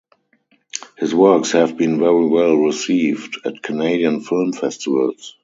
His works have been very well received at Canadian film festivals.